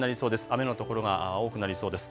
雨の所が多くなりそうです。